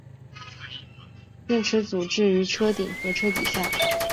电池组置于车顶和车底下。